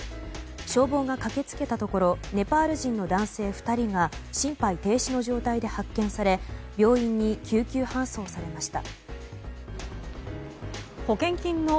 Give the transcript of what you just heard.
消防が駆け付けたところネパール人の男性２人が心肺停止の状態で発見され病院に救急搬送されました。